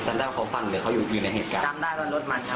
จำได้ว่าเขาฟังหรือเขาอยู่อยู่ในเหตุการณ์จำได้ว่ารถมันครับ